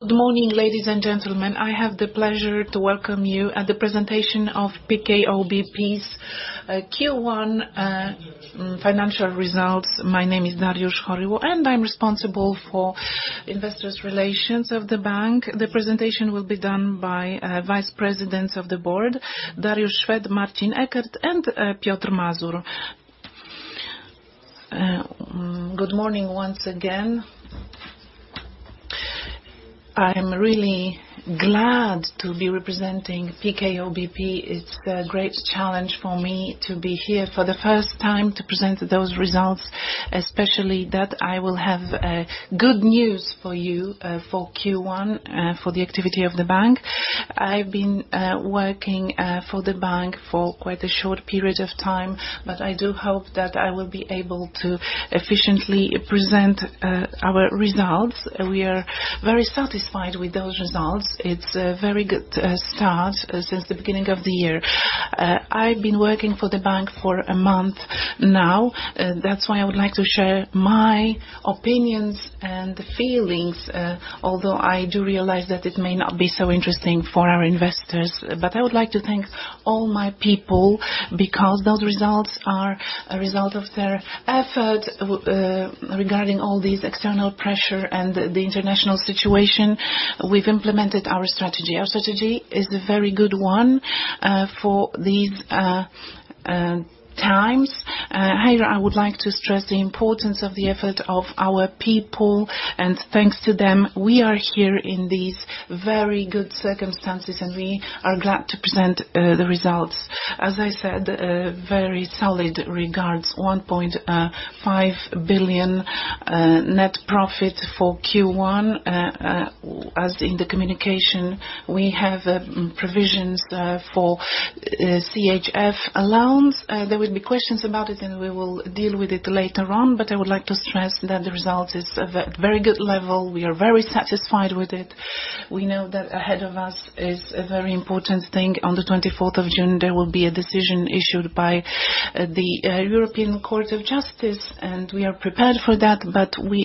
Good morning, ladies and gentlemen. I have the pleasure to welcome you at the presentation of PKO BP's Q1 Financial Results. My name is Dariusz Choryło, I'm responsible for investors relations of the bank. The presentation will be done by Vice Presidents of the board, Dariusz Szwed, Marcin Eckert, and Piotr Mazur. Good morning once again. I'm really glad to be representing PKO BP. It's a great challenge for me to be here for the first time to present those results, especially that I will have good news for you for Q1 for the activity of the bank. I've been working for the bank for quite a short period of time, I do hope that I will be able to efficiently present our results. We are very satisfied with those results. It's a very good start since the beginning of the year. I've been working for the bank for a month now. That's why I would like to share my opinions and feelings, although I do realize that it may not be so interesting for our investors. I would like to thank all my people because those results are a result of their effort regarding all this external pressure and the international situation. We've implemented our strategy. Our strategy is a very good one for these times. Here, I would like to stress the importance of the effort of our people, and thanks to them, we are here in these very good circumstances, and we are glad to present the results. As I said, a very solid results, 1.5 billion net profit for Q1. As in the communication, we have provisions for CHF allowance. There will be questions about it. We will deal with it later on. I would like to stress that the result is at very good level. We are very satisfied with it. We know that ahead of us is a very important thing. On the 24th of June, there will be a decision issued by the European Court of Justice. We are prepared for that.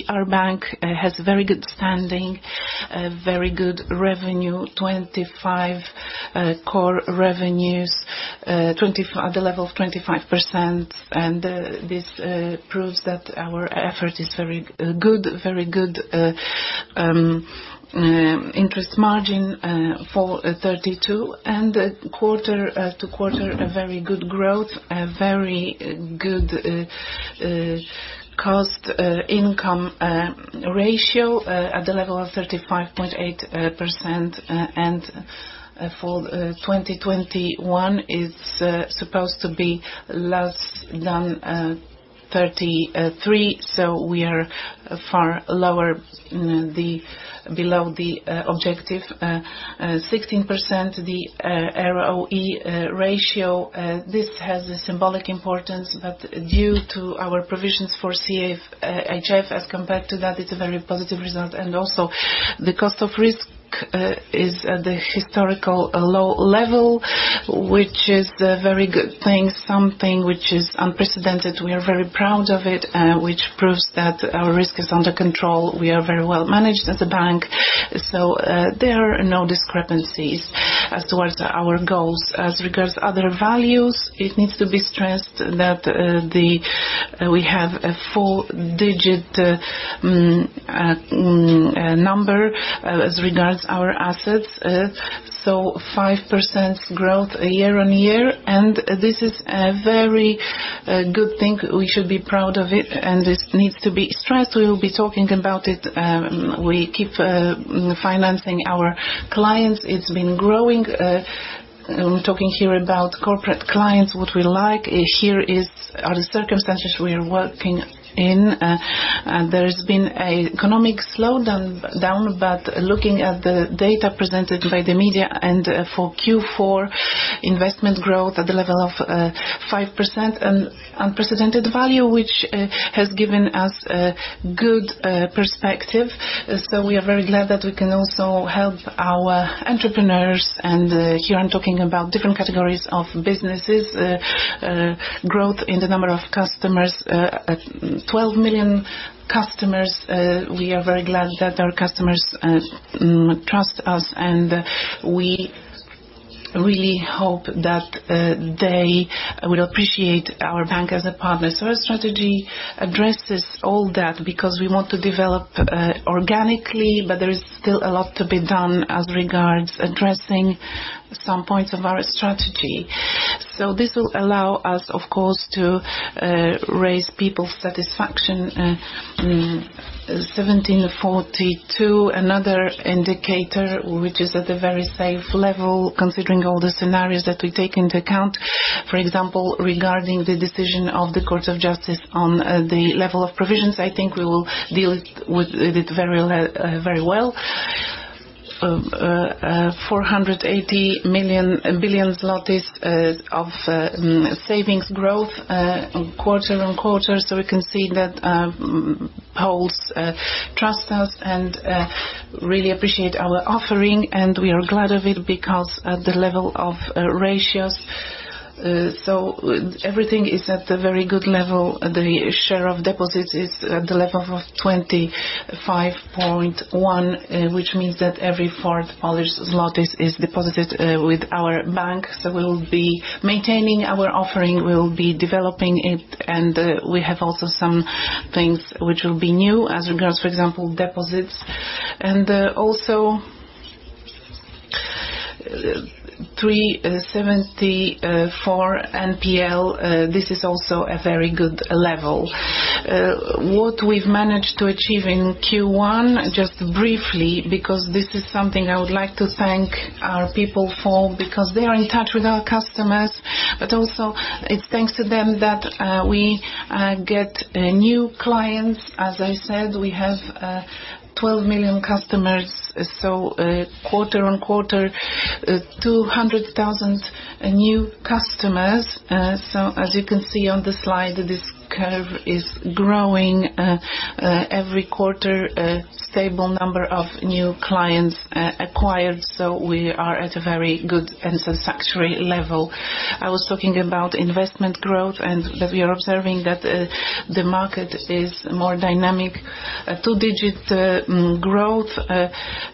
Our bank has very good standing, a very good revenue, 25, core revenues at the level of 25%. This proves that our effort is very good, very good interest margin for 32, and quarter-to-quarter, a very good growth, a very good cost-to-income ratio at the level of 35.8%. For 2021, it's supposed to be less than 33. We are far lower below the objective 16% the ROE ratio. This has a symbolic importance, but due to our provisions for CHF as compared to that, it's a very positive result. Also, the cost of risk is at a historical low level, which is a very good thing, something which is unprecedented. We are very proud of it, which proves that our risk is under control. We are very well managed as a bank. There are no discrepancies as towards our goals. As regards other values, it needs to be stressed that, we have a four-digit number as regards our assets. 5% growth year on year, this is a very good thing. We should be proud of it, this needs to be stressed. We will be talking about it. We keep financing our clients. It's been growing. I'm talking here about corporate clients. What we like here is, are the circumstances we are working in. There has been a economic slowdown, looking at the data presented by the media and for Q4 investment growth at the level of 5%, an unprecedented value, which has given us a good perspective. We are very glad that we can also help our entrepreneurs. Here I'm talking about different categories of businesses, growth in the number of customers, at 12 million customers. We are very glad that our customers trust us, and we really hope that they will appreciate our bank as a partner. Our strategy addresses all that because we want to develop organically, but there is still a lot to be done as regards addressing some points of our strategy. This will allow us, of course, to raise people satisfaction, 1,742, another indicator which is at a very safe level considering all the scenarios that we take into account. For example, regarding the decision of the Court of Justice on the level of provisions, I think we will deal with it very well. PLN 480 billion of savings growth quarter-on-quarter. We can see that Poles trust us and really appreciate our offering, and we are glad of it because the level of ratios. Everything is at a very good level. The share of deposits is at the level of 25.1, which means that every fourth Polish zlotys is deposited with our bank. We'll be maintaining our offering, we'll be developing it, and we have also some things which will be new as regards, for example, deposits. Also 3.74 NPL, this is also a very good level. What we've managed to achieve in Q1 just briefly, because this is something I would like to thank our people for, because they are in touch with our customers, but also it's thanks to them that we get new clients. As I said, we have 12 million customers. Quarter on quarter, 200,000 new customers. As you can see on the slide, this curve is growing every quarter, stable number of new clients acquired. We are at a very good and satisfactory level. I was talking about investment growth, and that we are observing that the market is more dynamic. A 2-digit growth,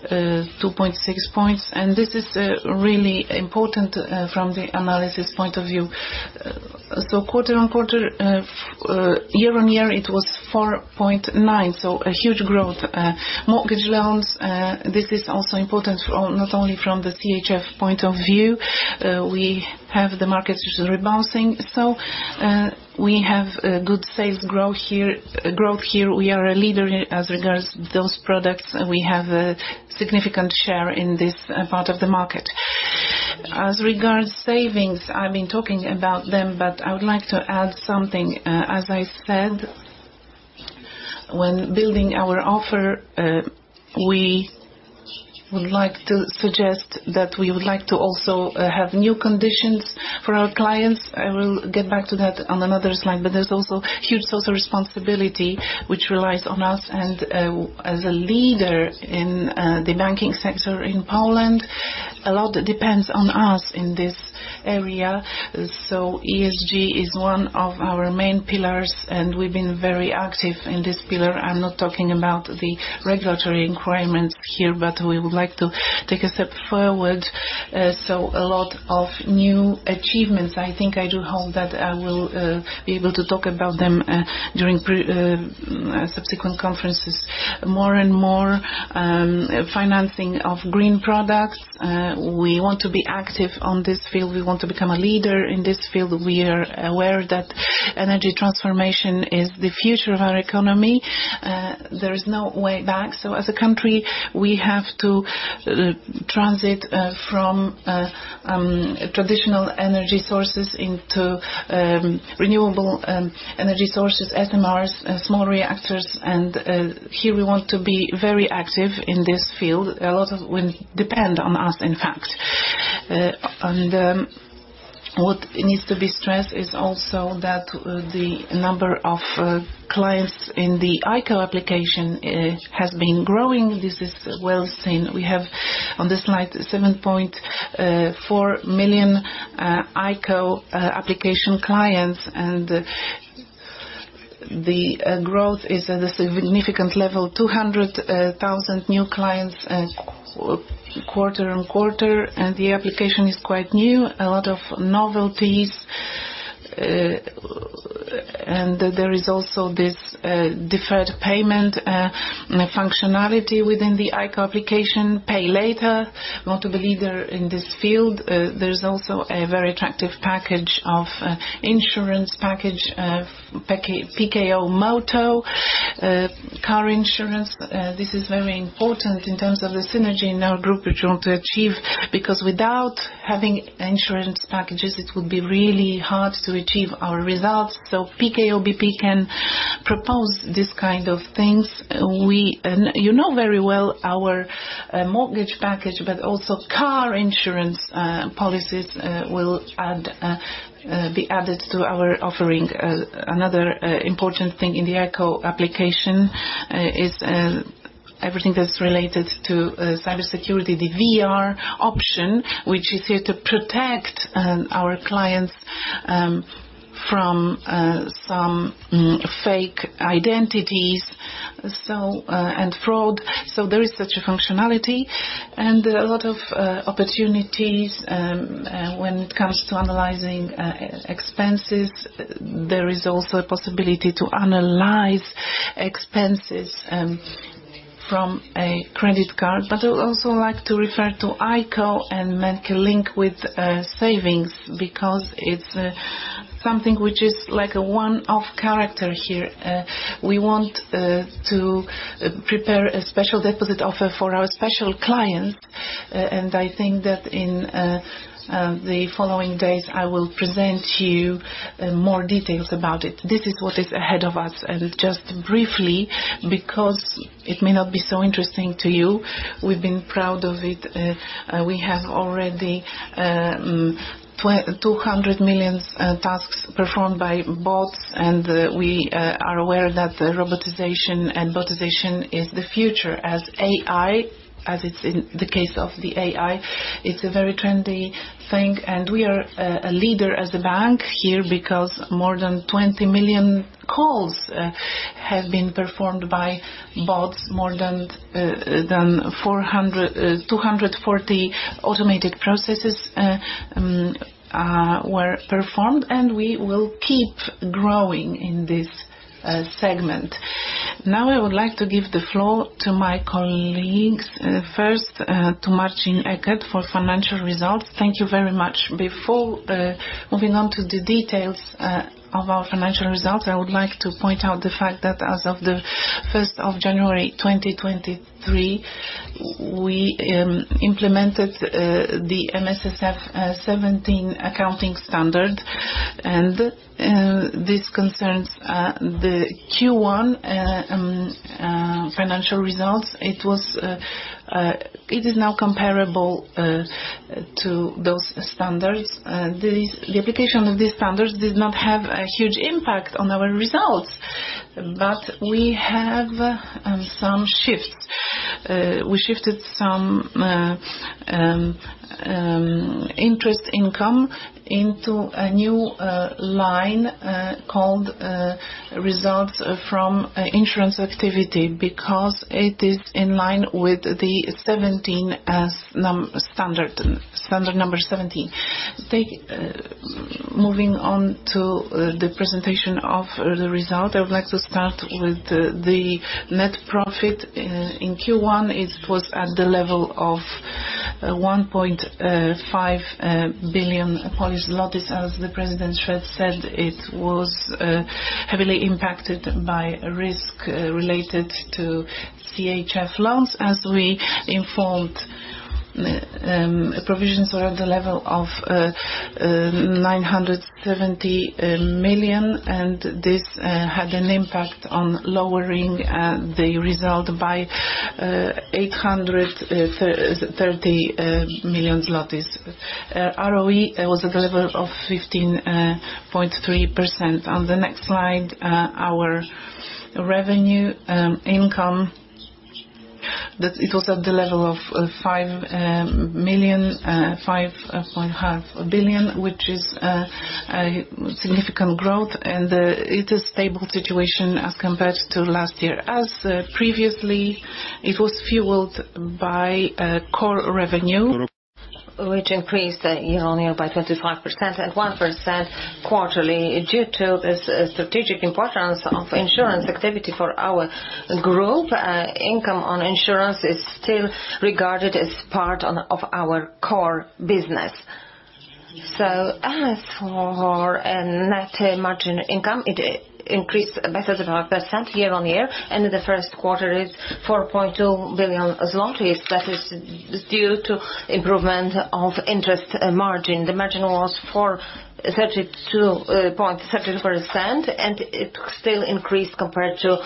2.6 points. This is really important from the analysis point of view. Quarter on quarter, year on year, it was 4.9%. A huge growth. Mortgage loans, this is also important not only from the CHF point of view. We have the markets rebounding. We have a good sales growth here. We are a leader as regards those products, and we have a significant share in this part of the market. As regards savings, I've been talking about them, but I would like to add something. As I said, when building our offer, we would like to suggest that we would like to also have new conditions for our clients. I will get back to that on another slide. There's also huge social responsibility which relies on us and, as a leader in the banking sector in Poland, a lot depends on us in this area. ESG is one of our main pillars, and we've been very active in this pillar. I'm not talking about the regulatory requirements here, but we would like to take a step forward. A lot of new achievements. I think I do hope that I will be able to talk about them during subsequent conferences, more and more financing of green products. We want to be active on this field. We want to become a leader in this field. We are aware that energy transformation is the future of our economy. There is no way back. As a country, we have to transit from traditional energy sources into renewable energy sources, SMRs, small reactors. Here we want to be very active in this field. A lot of will depend on us, in fact. What needs to be stressed is also that the number of clients in the IKO application has been growing. This is well seen. We have on this slide 7.4 million IKO application clients, and the growth is at a significant level, 200,000 new clients quarter on quarter. The application is quite new. A lot of novelties. There is also this deferred payment functionality within the IKO application. Pay Later, want to be leader in this field. There's also a very attractive package of insurance package, PKO Moto car insurance. This is very important in terms of the synergy in our group which want to achieve, because without having insurance packages, it would be really hard to achieve our results. PKO BP can propose these kind of things. You know very well our mortgage package, but also car insurance policies will be added to our offering. Another important thing in the IKO application is everything that's related to cybersecurity. The VR option, which is here to protect our clients from some fake identities and fraud. There is such a functionality and a lot of opportunities when it comes to analyzing expenses. There is also a possibility to analyze expenses from a credit card. I would also like to refer to IKO and make a link with savings because it's something which is like a one-off character here. We want to prepare a special deposit offer for our special clients. I think that in the following days, I will present to you more details about it. This is what is ahead of us. Just briefly, because it may not be so interesting to you, we've been proud of it. We have already 200 million tasks performed by bots, we are aware that the robotization and botization is the future as AI. As it's in the case of the AI, it's a very trendy thing, and we are a leader as a bank here because more than 20 million calls have been performed by bots. More than 240 automated processes were performed, and we will keep growing in this segment. Now, I would like to give the floor to my colleagues, first, to Marcin Eckert for financial results. Thank you very much. Before moving on to the details of our financial results, I would like to point out the fact that as of the first of January, 2023, we implemented the MSSF 17 accounting standard, and this concerns the Q1 financial results. It is now comparable to those standards. The application of these standards did not have a huge impact on our results, but we have some shifts. We shifted some interest income into a new line called results from insurance activity because it is in line with the standard number 17. Moving on to the presentation of the result, I would like to start with the net profit. In Q1, it was at the level of 1.5 billion Polish zlotys. As President Szwed said, it was heavily impacted by risk related to CHF loans. We informed, provisions were at the level of 970 million. This had an impact on lowering the result by 830 million zlotys. ROE was at the level of 15.3%. On the next slide, our revenue, income, it was at the level of 5 million, 5.5 billion, which is a significant growth, and it's a stable situation as compared to last year. Previously, it was fueled by core revenue. Which increased year-on-year by 25% and 1% quarterly due to the strategic importance of insurance activity for our group. Income on insurance is still regarded as part of our core business. As for a net margin income, it increased 35% year-on-year, and in the Q1 is 4.2 billion zlotys. That is due to improvement of interest margin. The margin was 432.30%, and it still increased compared to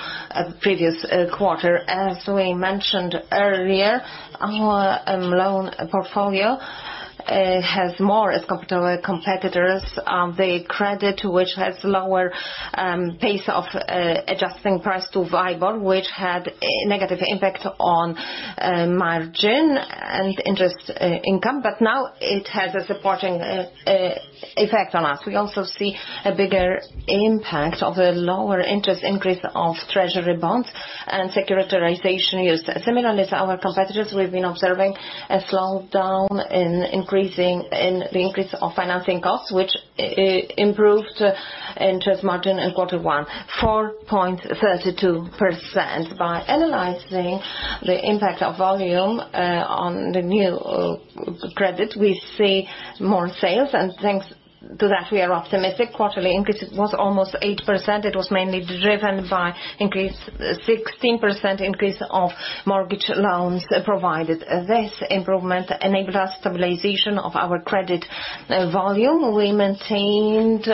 previous quarter. As we mentioned earlier, our loan portfolio has more competitors on the credit, which has lower pace of adjusting price to WIBOR, which had a negative impact on margin and interest income. Now it has a supporting effect on us. We also see a bigger impact of a lower interest increase of treasury bonds and securitization used. Similarly to our competitors, we've been observing a slowdown in the increase of financing costs, which improved interest margin in quarter one, 4.32%. By analyzing the impact of volume on the new credit, we see more sales. Thanks to that, we are optimistic. Quarterly increase was almost 8%. It was mainly driven by 16% increase of mortgage loans provided. This improvement enabled a stabilization of our credit volume. We maintained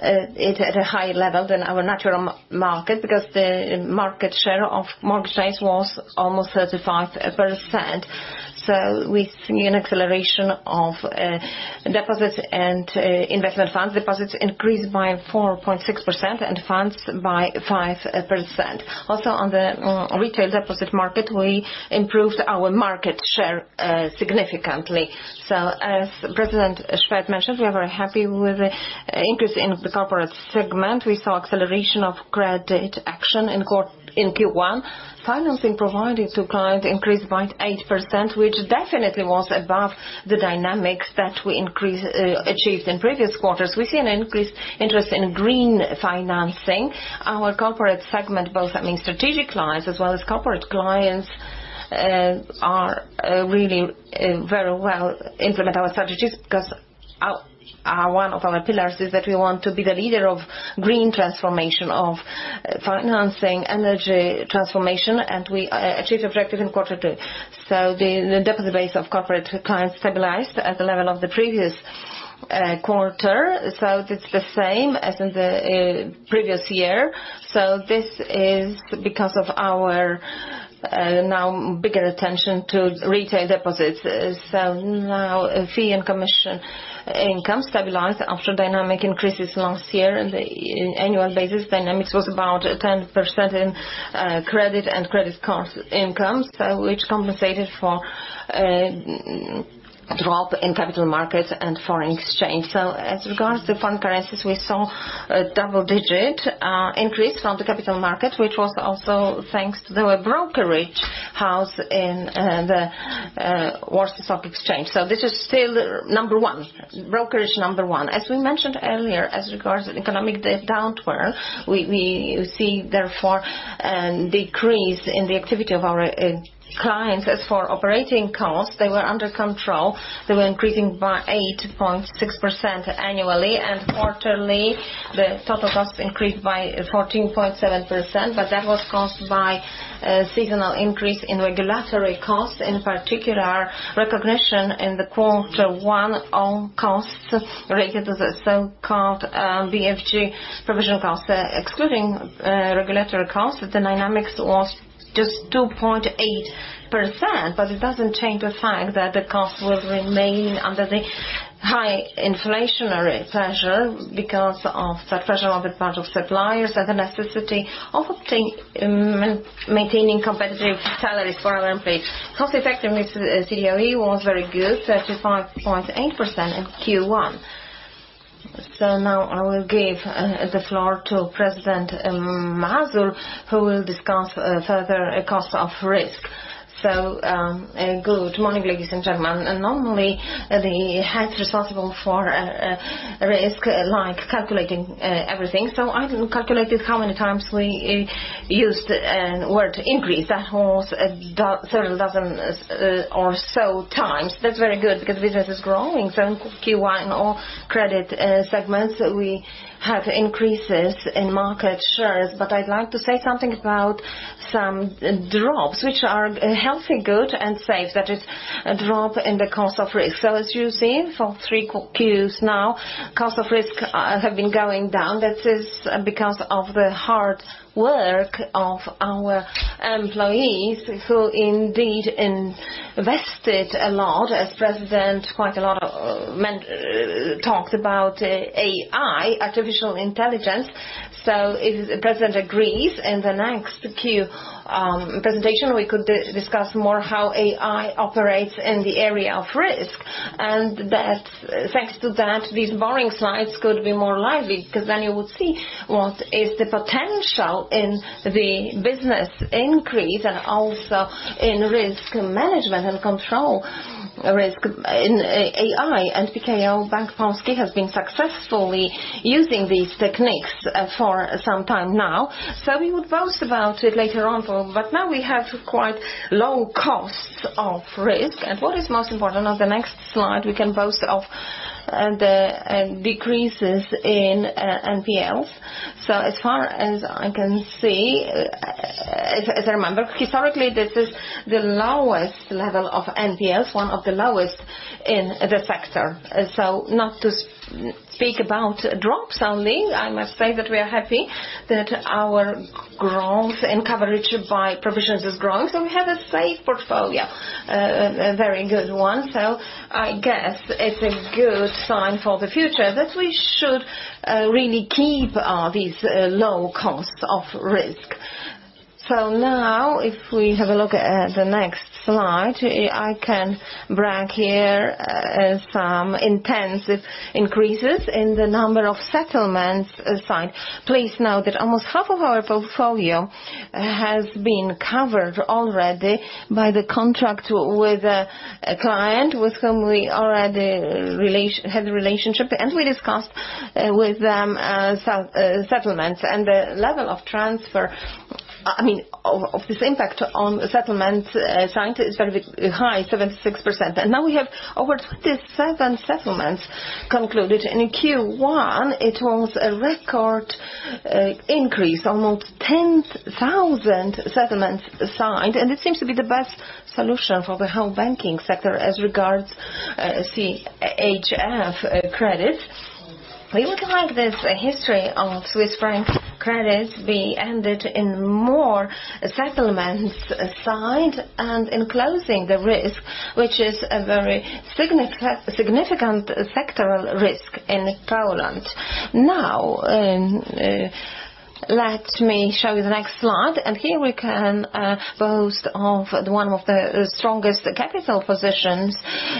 it at a higher level than our natural market because the market share of mortgage loans was almost 35%. We've seen an acceleration of deposits and investment funds. Deposits increased by 4.6% and funds by 5%. Also, on the retail deposit market, we improved our market share significantly. As President Szwed mentioned, we are very happy with the increase in the corporate segment. We saw acceleration of credit action in Q1. Financing provided to clients increased by 8%, which definitely was above the dynamics that we achieved in previous quarters. We've seen an increased interest in green financing. Our corporate segment, both, I mean, strategic clients as well as corporate clients are really very well implement our strategies because one of our pillars is that we want to be the leader of green transformation, of financing energy transformation, and we achieved objective in quarter two. The deposit base of corporate clients stabilized at the level of the previous quarter. It's the same as in the previous year. This is because of our now bigger attention to retail deposits. Now fee and commission income stabilized after dynamic increases last year. In annual basis, dynamics was about 10% in credit and credit card income, which compensated for drop in capital markets and foreign exchange. As regards to foreign currencies, we saw a double digit increase from the capital market, which was also thanks to the brokerage house in the Warsaw Stock Exchange. This is still number one, brokerage number one. As we mentioned earlier, as regards economic downturn, we see therefore an decrease in the activity of our clients. As for operating costs, they were under control. They were increasing by 8.6% annually and quarterly. The total cost increased by 14.7%, but that was caused by seasonal increase in regulatory costs, in particular recognition in the quarter one on costs related to the so-called BFG provision costs. Excluding regulatory costs, the dynamics was just 2.8%, but it doesn't change the fact that the cost will remain under the high inflationary pressure because of the pressure on the part of suppliers and the necessity of maintaining competitive salaries for our employees. Cost effectiveness, COE was very good, 35.8% in Q1. Now I will give the floor to President Mazur, who will discuss further cost of risk. Good morning, ladies and gentlemen. Normally the head responsible for risk likes calculating everything. I didn't calculate this how many times we used a word increase. That was several dozen or so times. That's very good because business is growing. In Q1, all credit segments, we had increases in market shares. I'd like to say something about some drops, which are healthy, good and safe. That is a drop in the cost of risk. As you see, for 3 Q's now, cost of risk have been going down. That is because of the hard work of our employees who indeed invested a lot as President, quite a lot of men talked about AI, artificial intelligence. If the President agrees, in the next Q presentation, we could discuss more how AI operates in the area of risk. Thanks to that, these boring slides could be more lively because then you would see what is the potential in the business increase and also in risk management and control risk in AI. PKO Bank Polski has been successfully using these techniques for some time now. We would boast about it later on, but now we have quite low costs of risk. What is most important, on the next slide, we can boast of the decreases in NPLs. As I remember, historically, this is the lowest level of NPLs, one of the lowest in the sector. Not to speak about drops only, I must say that we are happy that our growth in coverage by provisions is growing. We have a safe portfolio, a very good one. I guess it's a good sign for the future that we should really keep these low cost of risk. Now, if we have a look at the next slide, I can brag here some intensive increases in the number of settlements signed. Please note that almost half of our portfolio has been covered already by the contract with a client with whom we already had a relationship, and we discussed with them settlements and the level of transfer, I mean, of this impact on settlements signed is very high, 76%. Now we have over 27 settlements concluded. In Q1, it was a record increase, almost 10,000 settlements signed. This seems to be the best solution for the whole banking sector as regards CHF credits. We would like this history of Swiss franc credits be ended in more settlements signed and in closing the risk, which is a very significant sectoral risk in Poland. Now, let me show you the next slide, here we can boast of one of the strongest capital positions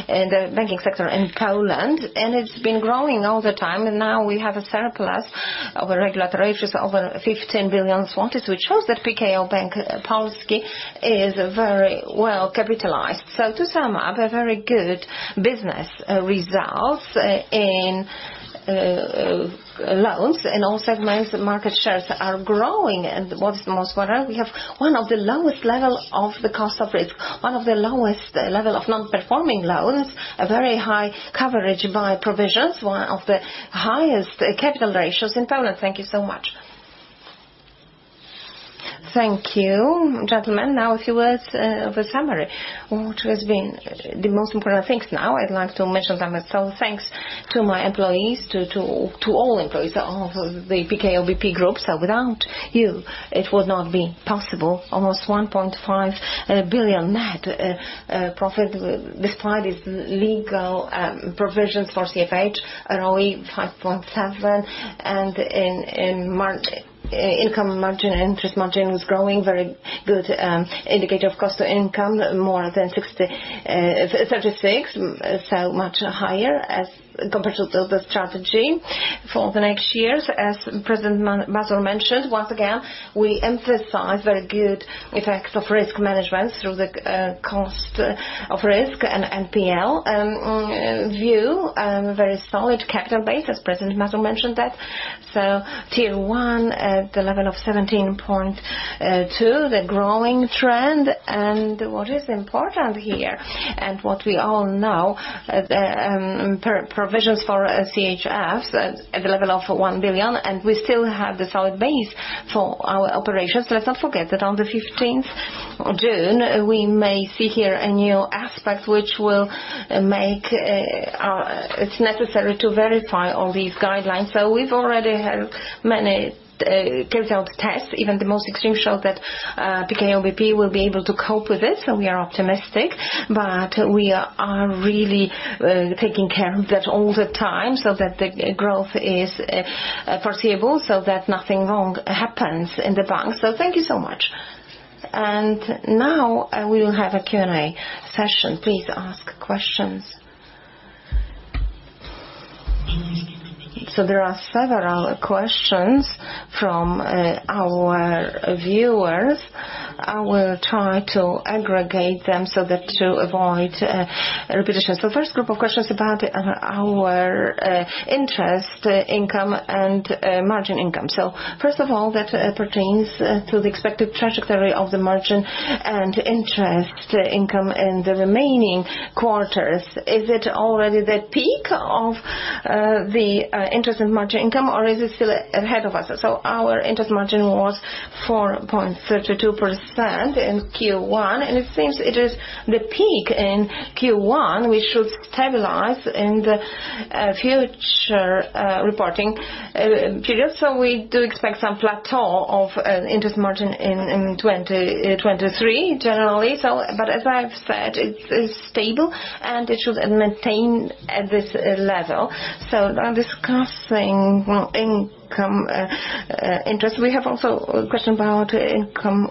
in the banking sector in Poland. It's been growing all the time, now we have a surplus of regulatory ratios over 15 billion zlotys, which shows that PKO Bank Polski is very well capitalized. To sum up, a very good business results, loans and also most market shares are growing. What is the most important, we have one of the lowest level of the cost of risk, one of the lowest level of non-performing loans, a very high coverage by provisions, one of the highest capital ratios in Poland. Thank you so much. Thank you. Gentlemen, now a few words of a summary. What has been the most important things? Now, I'd like to mention them. Thanks to my employees to all employees of the PKO BP Group. Without you, it would not be possible. Almost 1.5 billion net profit despite its legal provisions for CHF, ROE 5.7%. Income margin and interest margin was growing, very good indicator of cost to income more than 36%, much higher as compared to the strategy for the next years. As President Mazur mentioned, once again, we emphasize very good effects of risk management through the cost of risk and NPL view, very solid capital base as President Mazur mentioned that. Tier 1 at the level of 17.2, the growing trend and what is important here and what we all know, provisions for CHF at the level of 1 billion, and we still have the solid base for our operations. Let's not forget that on the 15th June, we may see here a new aspect which will make it necessary to verify all these guidelines. We've already had many carried out tests. Even the most extreme shows that PKO BP will be able to cope with it. We are optimistic, but we are really taking care of that all the time so that the growth is foreseeable so that nothing wrong happens in the bank. Thank you so much. Now, we will have a Q&A session. Please ask questions. There are several questions from our viewers. I will try to aggregate them so that to avoid repetition. First group of questions about our interest income and margin income. First of all, that pertains to the expected trajectory of the margin and interest income in the remaining quarters. Is it already the peak of the interest and margin income, or is it still ahead of us? Our interest margin was 4.32% in Q1, and it seems it is the peak in Q1. We should stabilize in the future reporting period. We do expect some plateau of interest margin in 2023 generally. As I've said, it's stable, and it should maintain at this level. Now discussing income interest. We have also a question about income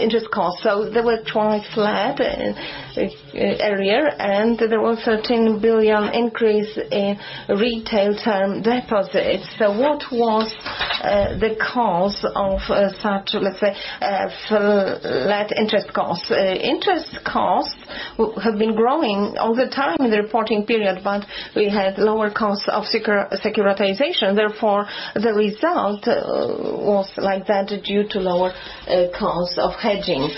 interest costs. They were twice flat in area, and there was 13 billion increase in retail term deposits. What was the cause of such, let's say, flat interest costs? Interest costs have been growing all the time in the reporting period, but we had lower costs of securitization, therefore, the result was like that due to lower costs of hedging.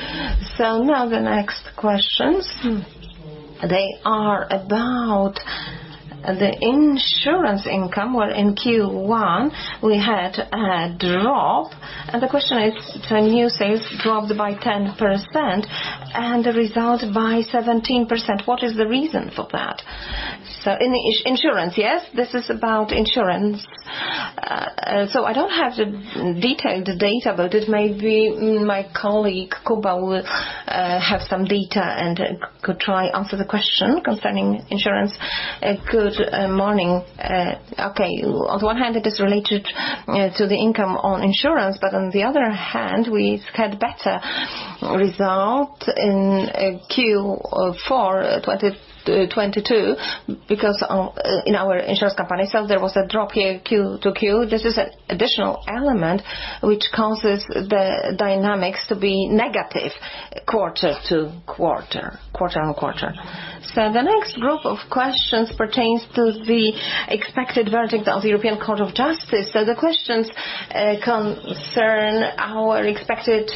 Now the next questions, they are about the insurance income, where in Q1 we had a drop. The question is, the new sales dropped by 10% and the result by 17%. What is the reason for that? In insurance, yes, this is about insurance. I don't have the detailed data, but it may be my colleague Kuba will have some data and could try answer the question concerning insurance. Good morning. Okay. On one hand it is related to the income on insurance, but on the other hand, we've had better result in Q4 2022 because in our insurance company itself, there was a drop here Q to Q. This is an additional element which causes the dynamics to be negative quarter-to-quarter, quarter-on-quarter. The next group of questions pertains to the expected verdict of the European Court of Justice. The questions concern our expected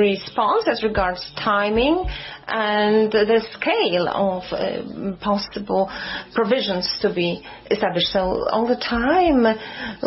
response as regards timing and the scale of possible provisions to be established. All the time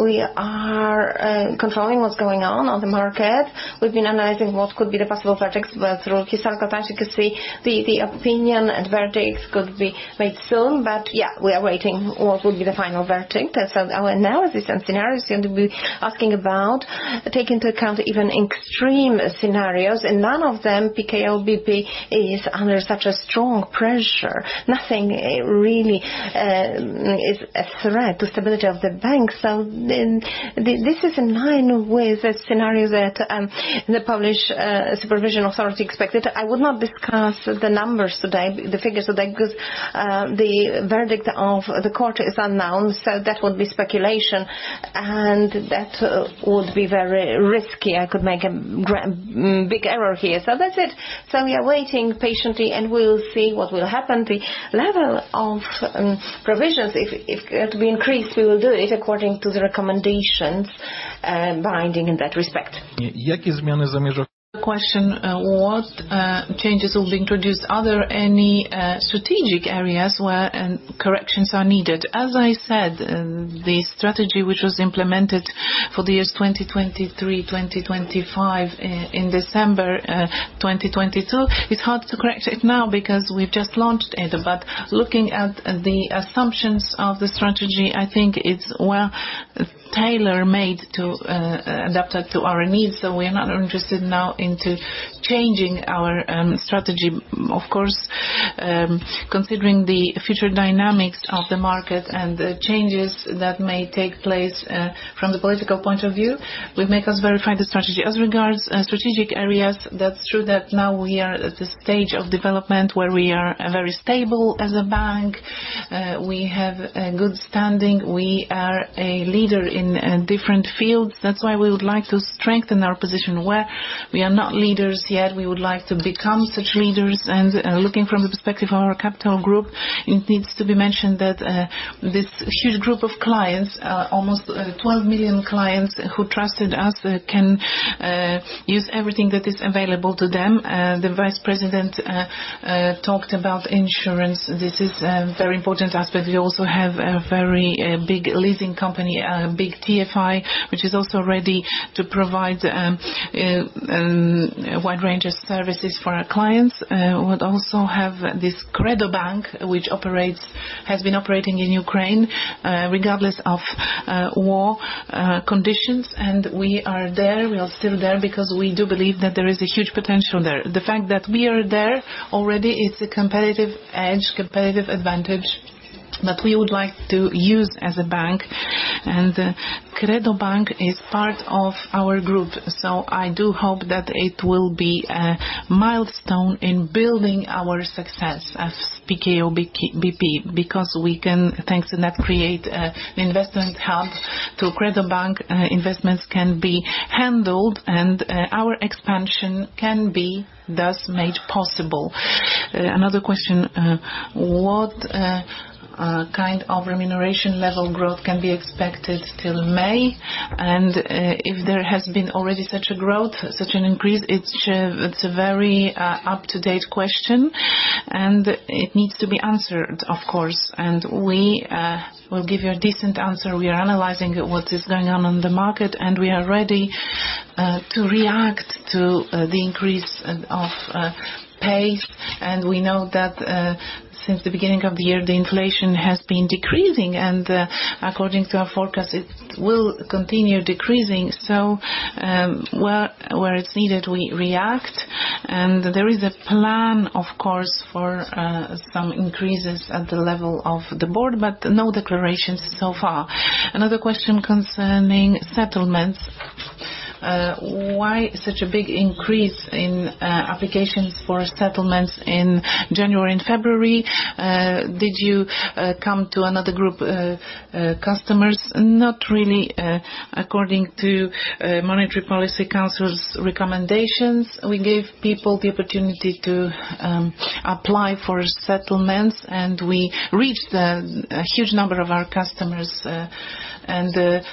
we are controlling what's going on on the market. We've been analyzing what could be the possible verdicts. Historically, as you can see, the opinion and verdicts could be made soon. We are waiting what would be the final verdict. Our analysis and scenarios you're going to be asking about take into account even extreme scenarios, in none of them PKO BP is under such a strong pressure. Nothing really is a threat to stability of the bank. This is in line with the scenario that the Polish supervision authority expected. I would not discuss the numbers today, the figures today, because the verdict of the court is unknown, so that would be speculation and that would be very risky. I could make a big error here. That's it. We are waiting patiently, and we'll see what will happen. The level of provisions if to be increased, we will do it according to the recommendations binding in that respect. The question what changes will be introduced? Are there any strategic areas where corrections are needed? As I said, the strategy which was implemented For the years 2023, 2025 in December, 2022. It's hard to correct it now because we've just launched it. Looking at the assumptions of the strategy, I think it's well tailor-made to adapted to our needs. We are not interested now into changing our strategy. Considering the future dynamics of the market and the changes that may take place from the political point of view, will make us verify the strategy. As regards strategic areas, that's true that now we are at the stage of development where we are very stable as a bank. We have a good standing. We are a leader in different fields. That's why we would like to strengthen our position where we are not leaders yet. We would like to become such leaders. Looking from the perspective of our capital group, it needs to be mentioned that this huge group of clients, almost 12 million clients who trusted us, can use everything that is available to them. The vice president talked about insurance. This is a very important aspect. We also have a very big leasing company, a big TFI, which is also ready to provide a wide range of services for our clients. We would also have this KredoBank, which has been operating in Ukraine, regardless of war conditions. We are there, we are still there because we do believe that there is a huge potential there. The fact that we are there already is a competitive edge, competitive advantage that we would like to use as a bank. KredoBank is part of our group. I do hope that it will be a milestone in building our success as PKO BP, because we can, thanks to that, create investment hub. Through KredoBank, investments can be handled and our expansion can be thus made possible. Another question, what kind of remuneration level growth can be expected till May, and if there has been already such a growth, such an increase? It's a very up-to-date question, and it needs to be answered, of course. We will give you a decent answer. We are analyzing what is going on on the market, and we are ready to react to the increase of pay. We know that since the beginning of the year, the inflation has been decreasing and according to our forecast, it will continue decreasing. Where it's needed, we react. There is a plan, of course, for some increases at the level of the board, but no declarations so far. Another question concerning settlements. Why such a big increase in applications for settlements in January and February? Did you come to another group customers? Not really. According to Monetary Policy Council's recommendations, we gave people the opportunity to apply for settlements, and we reached a huge number of our customers and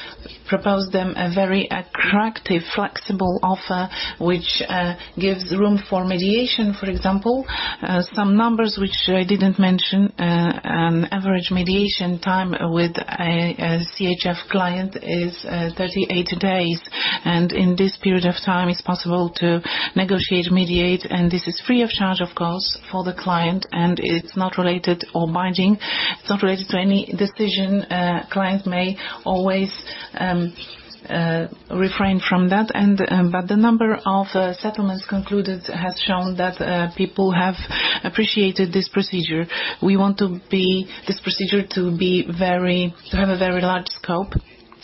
proposed them a very attractive flexible offer, which gives room for mediation. For example, some numbers which I didn't mention. Average mediation time with a CHF client is 38 days. In this period of time it's possible to negotiate, mediate. This is free of charge, of course, for the client. It's not related or binding. It's not related to any decision. Client may always refrain from that. But the number of settlements concluded has shown that people have appreciated this procedure. We want this procedure to have a very large scope.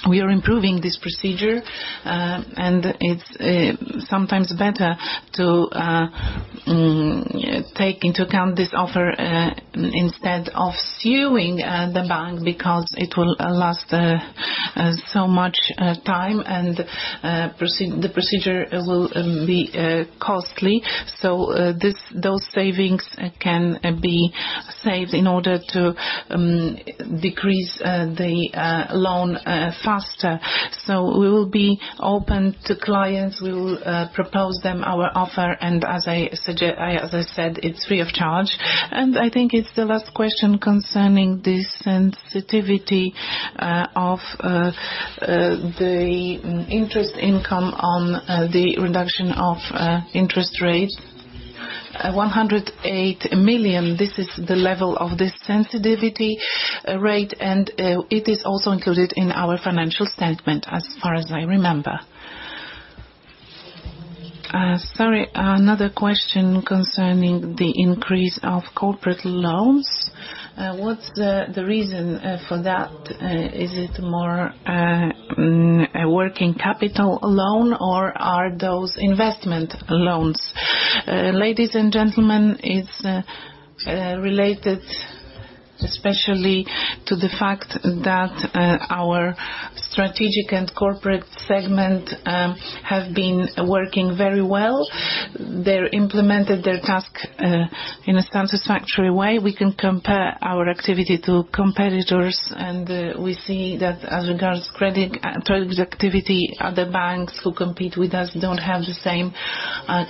We are improving this procedure, and it's sometimes better to take into account this offer instead of suing the bank because it will last so much time and the procedure will be costly. Those savings can be saved in order to decrease the loan faster. We will be open to clients. We will propose them our offer. As I said, it's free of charge. I think it's the last question concerning the sensitivity of the interest income on the reduction of interest rates. 108 million, this is the level of this sensitivity rate. It is also included in our financial statement as far as I remember. Sorry. Another question concerning the increase of corporate loans. What's the reason for that? Is it more a working capital loan or are those investment loans? Ladies and gentlemen, it's related especially to the fact that our strategic and corporate segment have been working very well. They've implemented their task in a satisfactory way. We can compare our activity to competitors, and we see that as regards credit activity, other banks who compete with us don't have the same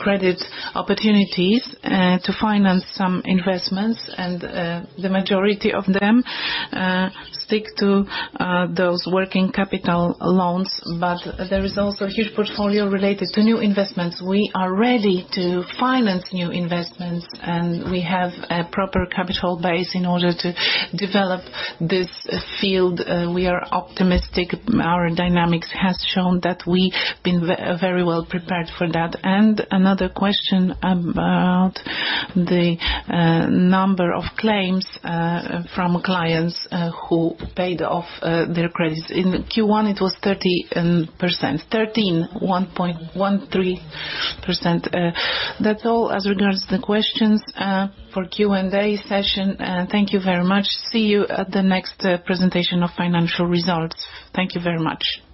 credit opportunities to finance some investments. The majority of them stick to those working capital loans. There is also a huge portfolio related to new investments. We are ready to finance new investments, and we have a proper capital base in order to develop this field. We are optimistic. Our dynamics has shown that we've been very well prepared for that. Another question about the number of claims from clients who paid off their credits. In Q1 it was 30%. 13. 1.13%. That's all as regards the questions for Q&A session. Thank you very much. See you at the next presentation of financial results. Thank you very much.